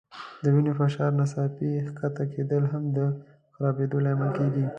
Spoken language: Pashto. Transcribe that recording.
د وینې د فشار ناڅاپي ښکته کېدل هم د خرابېدو لامل کېږي.